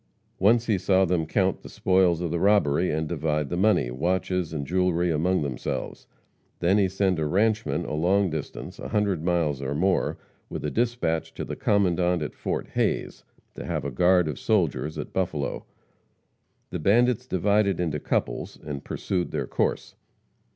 Once he saw them count the spoils of the robbery, and divide the money, watches and jewelry among themselves. Then he sent a rancheman a long distance, a hundred miles or more, with a dispatch to the commandant at Fort Hayes to have a guard of soldiers at Buffalo. The bandits divided into couples, and pursued their course.